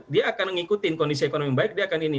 dia akan mengikuti kondisi ekonomi yang baik dia akan ini